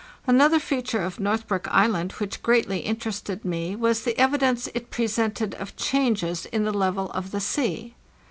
Another feature of Northbrook Island which greatly interested me was the evidence it presented of changes in the level of the sea.